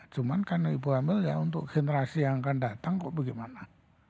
cuma karena ibu hamil ya untuk generasi yang akan datang kok bagaimana